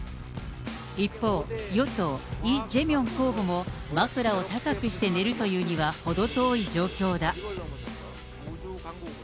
一方、与党、イ・ジェミョン候補も枕を高くして寝るというには程遠い状況だ。